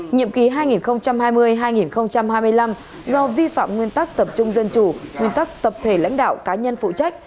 nhiệm ký hai nghìn hai mươi hai nghìn hai mươi năm do vi phạm nguyên tắc tập trung dân chủ nguyên tắc tập thể lãnh đạo cá nhân phụ trách